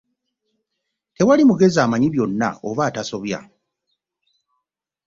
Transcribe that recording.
Tewali mugezi amanyi byonna oba atasobya.